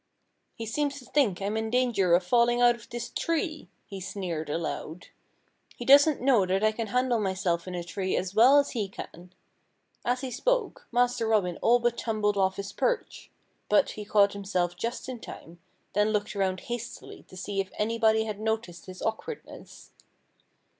"He seems to think I'm in danger of falling out of this tree," he sneered aloud. "He doesn't know that I can handle myself in a tree as well as he can." As he spoke, Master Robin all but tumbled off his perch. But he caught himself just in time, then looked around hastily to see if anybody had noticed his awkwardness.